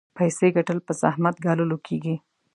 پيسې ګټل په زحمت ګاللو کېږي.